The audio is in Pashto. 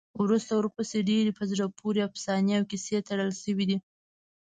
وروسته ورپسې ډېرې په زړه پورې افسانې او کیسې تړل شوي دي.